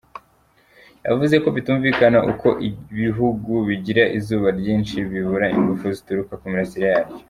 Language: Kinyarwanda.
Yavuze ko bitumvikana uko ibihugu bigira izuba ryinshi bibura ingufu zituruka ku mirasire yaryo.